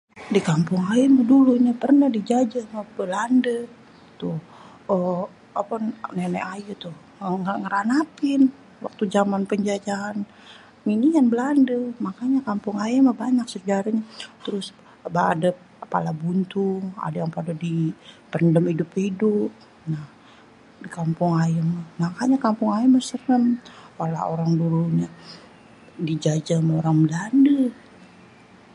Di kampung ayé meh dulu ini perneh dijajeh ame Belande, toh nenek ayé tuh ngeranapin waktu zaman penjajahan inian Belande. Mangkanya kampung ayé meh banyak sejarehnye terus ade pala buntung, ade yang pade dipendem idup-idup. Nah di kampung ayé meh, mangkanye di kampung aye meh serem. Lah orang dulunye dijajeh same orang Belande.